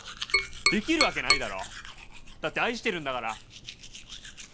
できるわけないだろ！だって愛してるんだから。